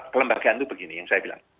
kelembagaan itu begini yang saya bilang